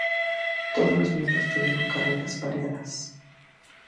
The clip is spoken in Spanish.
Todos los miembros tuvieron carreras variadas.